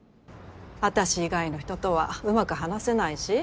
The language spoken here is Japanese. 私以外の人とはうまく話せないし。